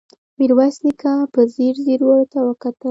ميرويس نيکه په ځير ځير ورته وکتل.